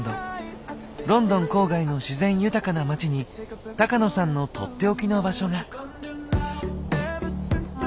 ロンドン郊外の自然豊かな街に高野さんの取って置きの場所が。